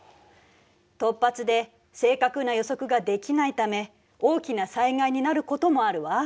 突発で正確な予測ができないため大きな災害になることもあるわ。